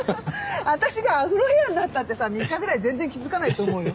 私がアフロヘアになったってさ３日ぐらい全然気づかないと思うよ。